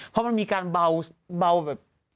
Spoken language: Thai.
เพราะมันมีการเบาแบบ